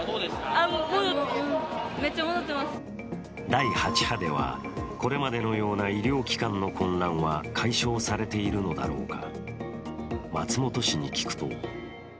第８波では、これまでのような医療機関の混乱は解消されているのだろうか。